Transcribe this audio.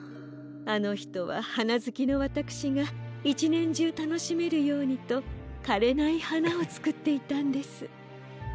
あのひとははなずきのわたくしが１ねんじゅうたのしめるようにとかれないはなをつくっていたんです。